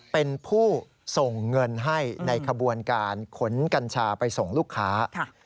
เป็นผู้ส่งเงินให้ในขบวนการขนกัญชาไปส่งลูกค้า